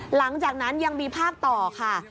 หลังจากนั้นยังมีภาคต่อค่ะ